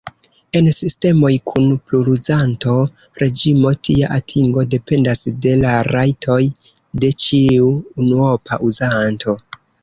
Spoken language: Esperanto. En sistemoj kun pluruzanto-reĝimo, tia atingo dependas de la rajtoj de ĉiu unuopa uzanto.